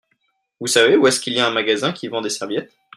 Vous savez où est-ce qu'il y a un magasin qui vend des serviettes ?